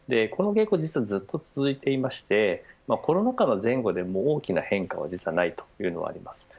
この傾向はずっと続いていましてコロナ禍の前後で大きな変化は実はないというのがあります。